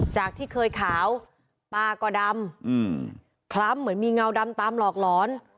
จากที่เคยขาวป้าก็ดำคล้ำเหมือนมีเงาดำตามหลอกหลอน